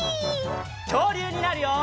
きょうりゅうになるよ！